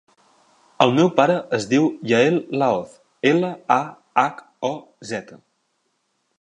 El meu pare es diu Yael Lahoz: ela, a, hac, o, zeta.